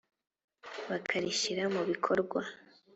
bakarishyira mu bikorwa